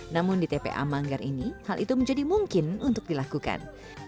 namun di tpa manggar ini hal itu menjadi mungkin untuk dilakukan